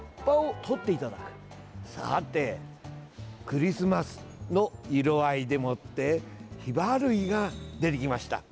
クリスマスの色合いでもってヒバ類が出てきました。